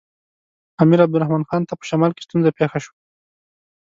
امیر عبدالرحمن خان ته په شمال کې ستونزه پېښه شوه.